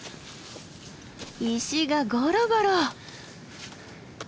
石がゴロゴロ。